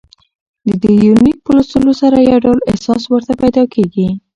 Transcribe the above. ددې یونلیک په لوستلو سره يو ډول احساس ورته پېدا کېږي